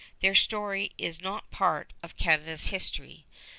Their story is not part of Canada's history.